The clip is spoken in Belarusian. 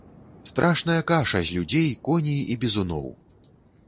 Страшная каша з людзей, коней і бізуноў.